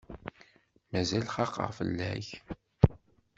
Mazal xaqeɣ fell-ak.